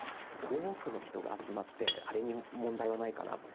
多くの人が集まって「あれに問題はないかな」